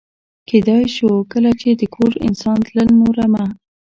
کېدای شو کله چې د کور انسان تلل، نو رمه.